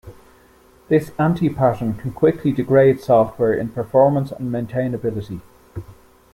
This anti-pattern can quickly degrade software in performance and maintainability.